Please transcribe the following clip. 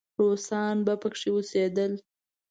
روسان به پکې اوسېدل.